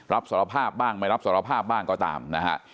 รับสารภาพบ้างไม่รับสารภาพบ้างก็ตามนะฮะ